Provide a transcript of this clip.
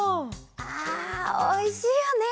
あおいしいよね！